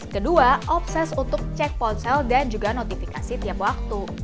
kedua obses untuk cek ponsel dan juga notifikasi tiap waktu